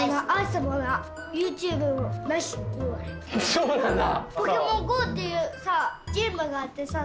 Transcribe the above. そうなんだ。